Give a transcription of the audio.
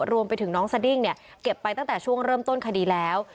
รวมไปถึงน้องสดิ้งเนี่ยเก็บไปตั้งแต่ช่วงเริ่มต้นคดีแล้ว